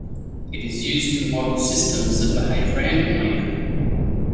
It is used to model systems that behave randomly.